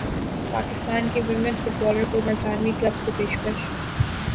پاکستان کی women footballer کو برطانوی کلب سے پیشکش